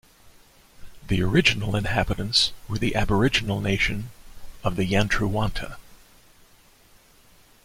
The original inhabitants were the aboriginal nation of the Yantruwanta.